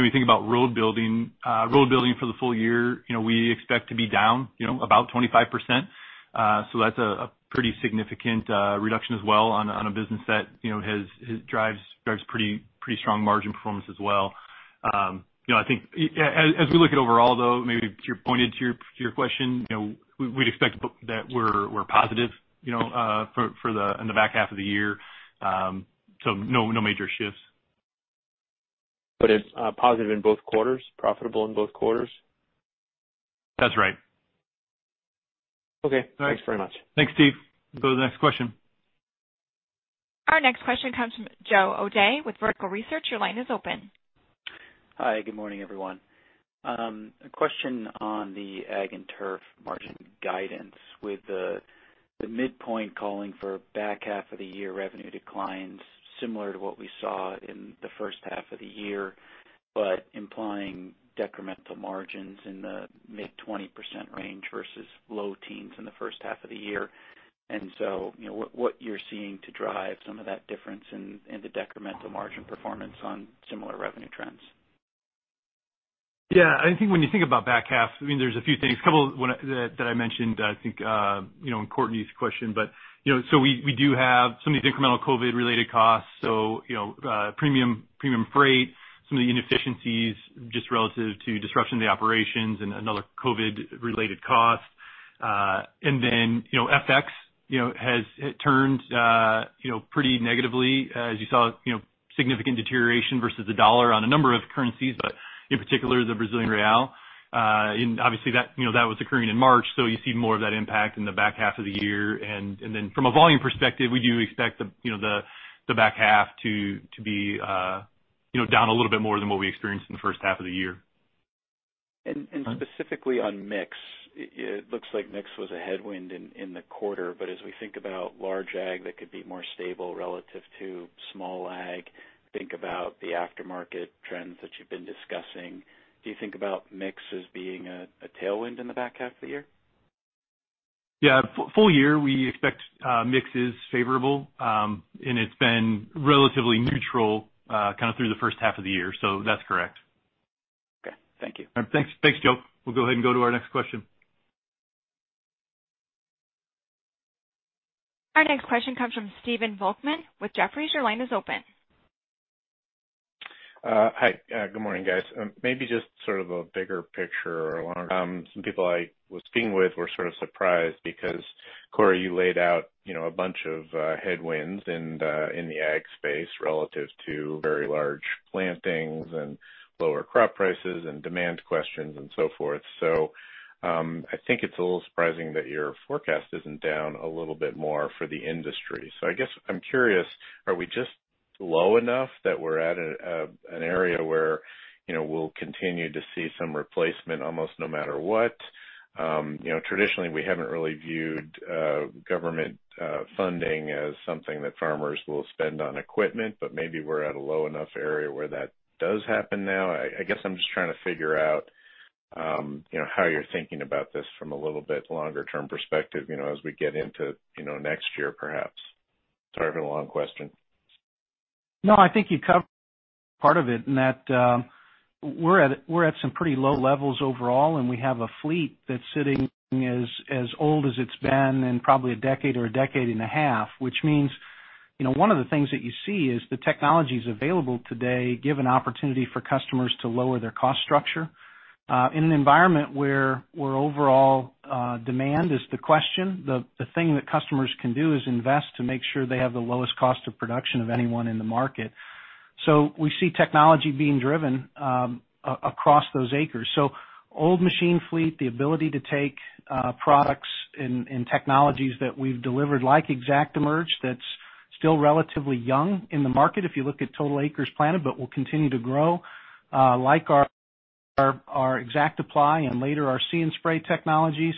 you think about road building for the full year, we expect to be down about 25%. That's a pretty significant reduction as well on a business that drives pretty strong margin performance as well. We look at overall though, maybe to your point and to your question, we'd expect that we're positive in the back half of the year. No major shifts. It's positive in both quarters, profitable in both quarters? That's right. Okay. Thanks very much. Thanks, Steve. We'll go to the next question. Our next question comes from Joe O'Dea with Vertical Research. Your line is open. Hi, good morning, everyone. A question on the ag and turf margin guidance with the midpoint calling for back half of the year revenue declines similar to what we saw in the first half of the year, but implying decremental margins in the mid-20% range versus low teens in the first half of the year. What you're seeing to drive some of that difference in the decremental margin performance on similar revenue trends? When you think about back half, there's a few things. A couple that I mentioned, I think, in Courtney's question. We do have some of these incremental COVID-related costs, so premium freight, some of the inefficiencies just relative to disruption of the operations and other COVID-related costs. FX has turned pretty negatively as you saw significant deterioration versus the dollar on a number of currencies, but in particular the Brazilian real. Obviously that was occurring in March, so you see more of that impact in the back half of the year. From a volume perspective, we do expect the back half to be down a little bit more than what we experienced in the first half of the year. Specifically on mix, it looks like mix was a headwind in the quarter. As we think about large ag that could be more stable relative to small ag, think about the aftermarket trends that you've been discussing. Do you think about mix as being a tailwind in the back half of the year? Yeah. Full year, we expect mix is favorable. It's been relatively neutral kind of through the first half of the year. That's correct. Okay. Thank you. Thanks, Joe. We'll go ahead and go to our next question. Our next question comes from Stephen Volkmann with Jefferies. Your line is open. Hi. Good morning, guys. Maybe just sort of a bigger picture. Some people I was speaking with were sort of surprised because, Cory, you laid out a bunch of headwinds in the ag space relative to very large plantings and lower crop prices and demand questions and so forth. I think it's a little surprising that your forecast isn't down a little bit more for the industry. I guess I'm curious, are we just low enough that we're at an area where we'll continue to see some replacement almost no matter what? Traditionally, we haven't really viewed government funding as something that farmers will spend on equipment, maybe we're at a low enough area where that does happen now. I guess I'm just trying to figure out how you're thinking about this from a little bit longer term perspective as we get into next year, perhaps. Sorry for the long question. No, I think you covered part of it in that we're at some pretty low levels overall, and we have a fleet that's sitting as old as it's been in probably a decade or a decade and a half. Which means one of the things that you see is the technologies available today give an opportunity for customers to lower their cost structure. In an environment where overall demand is the question, the thing that customers can do is invest to make sure they have the lowest cost of production of anyone in the market. We see technology being driven across those acres. Old machine fleet, the ability to take products and technologies that we've delivered, like ExactEmerge, that's still relatively young in the market, if you look at total acres planted, but will continue to grow. Like our ExactApply and later our See & Spray technologies,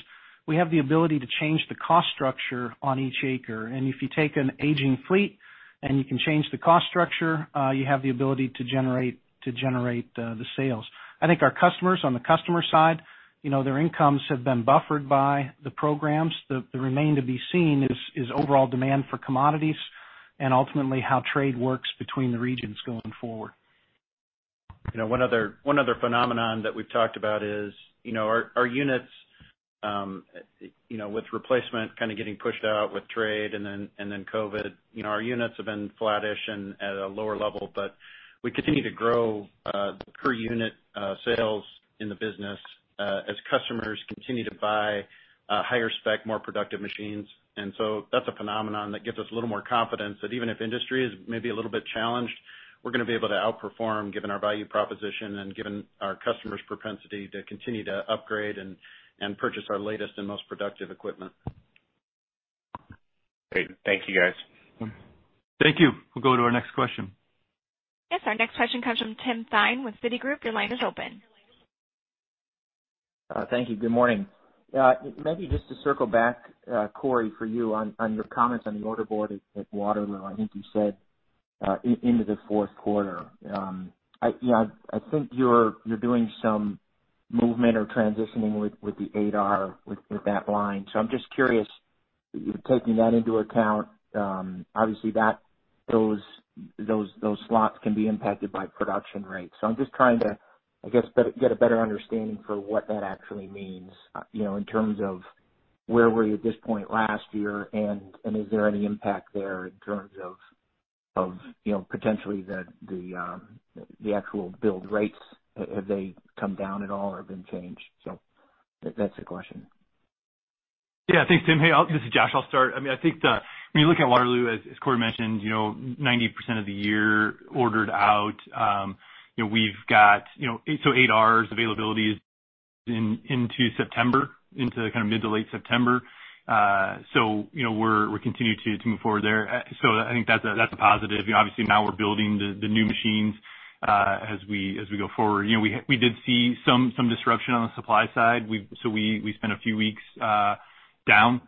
we have the ability to change the cost structure on each acre. If you take an aging fleet and you can change the cost structure, you have the ability to generate the sales. I think our customers, on the customer side, their incomes have been buffered by the programs. The remain to be seen is overall demand for commodities and ultimately how trade works between the regions going forward. One other phenomenon that we've talked about is our units with replacement kind of getting pushed out with trade and then COVID-19. Our units have been flattish and at a lower level, but we continue to grow per unit sales in the business as customers continue to buy higher spec, more productive machines. That's a phenomenon that gives us a little more confidence that even if industry is maybe a little bit challenged, we're going to be able to outperform given our value proposition and given our customers' propensity to continue to upgrade and purchase our latest and most productive equipment. Great. Thank you, guys. Thank you. We'll go to our next question. Yes, our next question comes from Tim Thein with Citigroup. Your line is open. Thank you. Good morning. Maybe just to circle back, Cory, for you on your comments on the order board at Waterloo. I think you said into the fourth quarter. I think you're doing some movement or transitioning with the 8R with that line. I'm just curious, taking that into account, obviously those slots can be impacted by production rates. I'm just trying to, I guess, get a better understanding for what that actually means in terms of where were you at this point last year, and is there any impact there in terms of potentially the actual build rates? Have they come down at all or been changed? That's the question. Thanks, Tim. This is Josh. I'll start. I think when you look at Waterloo, as Cory mentioned, 90% of the year ordered out. 8Rs availability into September, into kind of mid to late September. We're continuing to move forward there. I think that's a positive. Obviously, now we're building the new machines as we go forward. We did see some disruption on the supply side. We spent a few weeks down.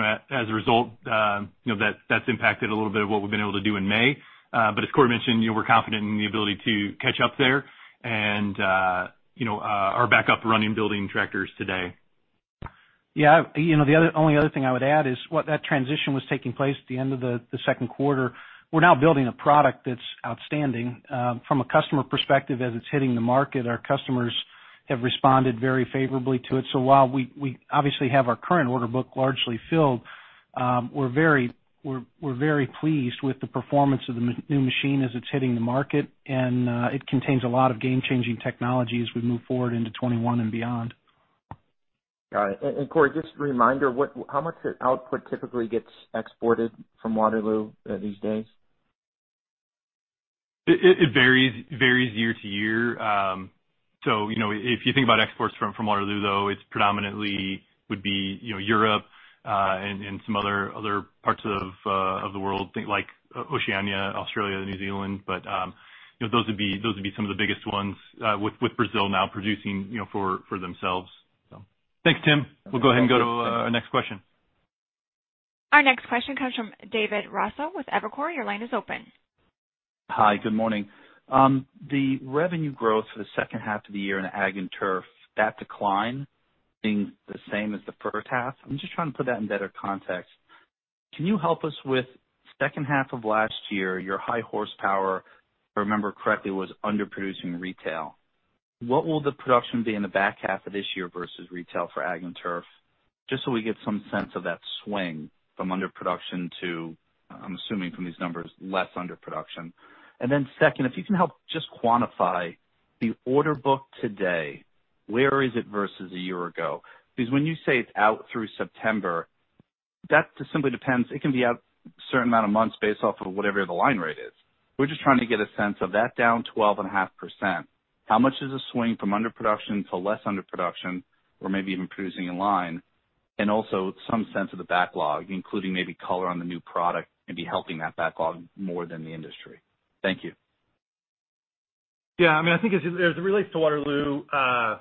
As a result, that's impacted a little bit of what we've been able to do in May. As Cory mentioned, we're confident in the ability to catch up there and are back up running building tractors today. Yeah. The only other thing I would add is what that transition was taking place at the end of the second quarter. We're now building a product that's outstanding. From a customer perspective as it's hitting the market, our customers have responded very favorably to it. While we obviously have our current order book largely filled, we're very pleased with the performance of the new machine as it's hitting the market, and it contains a lot of game-changing technology as we move forward into 2021 and beyond. Got it. Cory, just a reminder, how much output typically gets exported from Waterloo these days? It varies year to year. If you think about exports from Waterloo, though, it predominantly would be Europe and some other parts of the world, like Oceania, Australia, New Zealand. Those would be some of the biggest ones, with Brazil now producing for themselves. Thanks, Tim. We'll go ahead and go to our next question. Our next question comes from David Raso with Evercore. Your line is open. Hi. Good morning. The revenue growth for the second half of the year in the ag and turf, that decline being the same as the first half. I'm just trying to put that in better context. Can you help us with second half of last year, your high horsepower, if I remember correctly, was underproducing retail. What will the production be in the back half of this year versus retail for ag and turf? We get some sense of that swing from underproduction to, I'm assuming from these numbers, less underproduction. Second, if you can help just quantify the order book today. Where is it versus one year ago? When you say it's out through September, that just simply depends. It can be out a certain amount of months based off of whatever the line rate is. We're just trying to get a sense of that down 12 and a half%. How much does it swing from underproduction to less underproduction or maybe even producing in line? Also some sense of the backlog, including maybe color on the new product, maybe helping that backlog more than the industry. Thank you. Yeah. I think as it relates to Waterloo,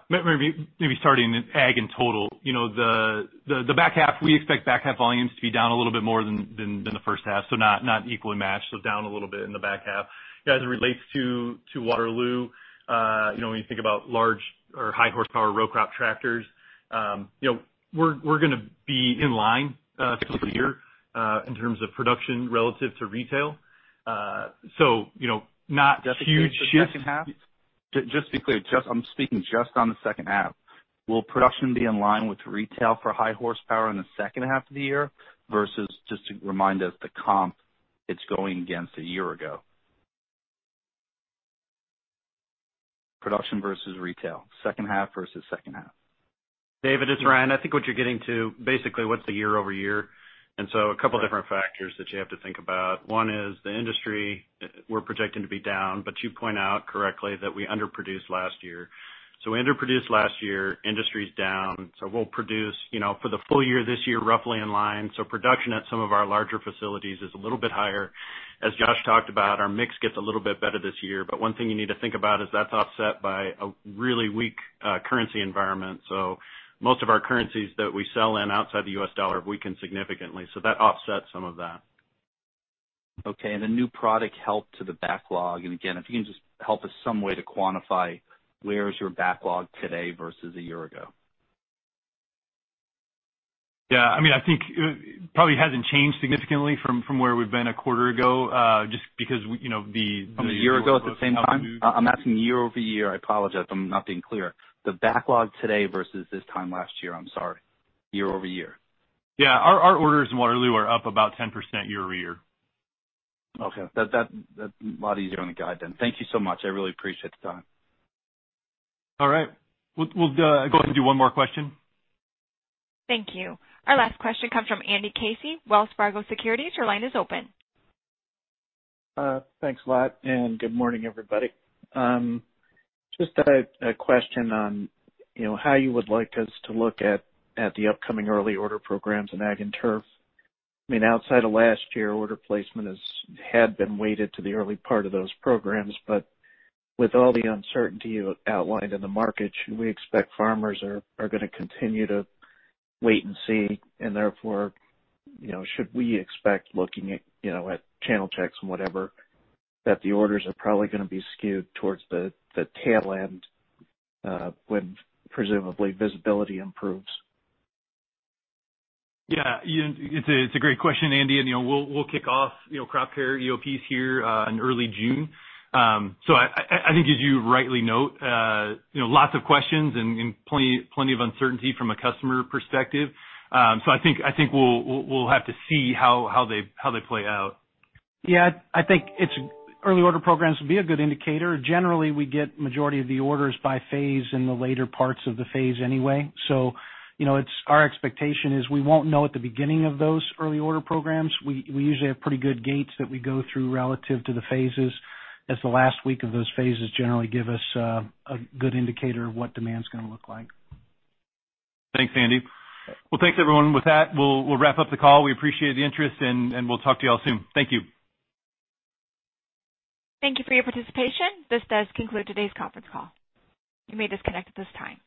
maybe starting in ag in total. The back half, we expect back half volumes to be down a little bit more than the first half, so not equally matched. Down a little bit in the back half. As it relates to Waterloo, when you think about large or high horsepower row-crop tractors, we're going to be in line for the year in terms of production relative to retail. Not huge shift- Just to be clear, I'm speaking just on the second half. Will production be in line with retail for high horsepower in the second half of the year versus just to remind us the comp it's going against a year ago? Production versus retail, second half versus second half. David, it's Ryan. I think what you're getting to basically what's the year-over-year. A couple different factors that you have to think about. One is the industry we're projecting to be down, you point out correctly that we underproduced last year. We underproduced last year. Industry's down. We'll produce for the full year this year roughly in line. Production at some of our larger facilities is a little bit higher. As Josh talked about, our mix gets a little bit better this year. One thing you need to think about is that's offset by a really weak currency environment. Most of our currencies that we sell in outside the U.S. dollar have weakened significantly. That offsets some of that. Okay, the new product help to the backlog. Again, if you can just help us some way to quantify where is your backlog today versus a year ago? I think it probably hasn't changed significantly from where we've been a quarter ago. From a year ago at the same time? I'm asking year-over-year. I apologize. I'm not being clear. The backlog today versus this time last year. I'm sorry. Year-over-year. Yeah. Our orders in Waterloo are up about 10% year-over-year. Okay. That's a lot easier on the guide then. Thank you so much. I really appreciate the time. All right. We'll go ahead and do one more question. Thank you. Our last question comes from Andy Casey, Wells Fargo Securities. Your line is open. Thanks a lot. Good morning, everybody. Just a question on how you would like us to look at the upcoming Early Order Programs in ag and turf. Outside of last year, order placement had been weighted to the early part of those programs. With all the uncertainty you outlined in the market, should we expect farmers are going to continue to wait and see? Therefore, should we expect looking at channel checks and whatever, that the orders are probably going to be skewed towards the tail end when presumably visibility improves? Yeah. It's a great question, Andy, and we'll kick off crop care EOPs here in early June. I think as you rightly note, lots of questions and plenty of uncertainty from a customer perspective. I think we'll have to see how they play out. Yeah, I think its early order programs will be a good indicator. Generally, we get majority of the orders by phase in the later parts of the phase anyway. Our expectation is we won't know at the beginning of those early order programs. We usually have pretty good gates that we go through relative to the phases as the last week of those phases generally give us a good indicator of what demand's going to look like. Thanks, Andy. Well, thanks, everyone. With that, we'll wrap up the call. We appreciate the interest, and we'll talk to you all soon. Thank you. Thank you for your participation. This does conclude today's conference call. You may disconnect at this time.